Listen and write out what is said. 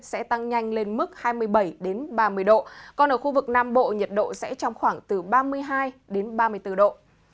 sẽ tăng nhanh lên mức hai mươi bảy ba mươi độ còn ở khu vực nam bộ nhiệt độ sẽ trong khoảng từ ba mươi hai ba mươi bốn độ